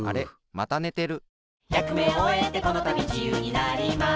またねてる。